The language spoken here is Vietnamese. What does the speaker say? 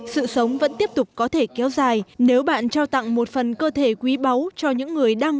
sự sống vẫn tiếp tục có thể kéo dài nếu bạn trao tặng một phần cơ thể quý báu cho những người đang